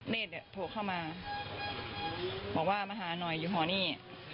โทรเข้ามาบอกว่ามาหาหน่อยอยู่หอนี่